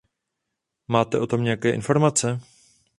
Máte o tom nějaké informace?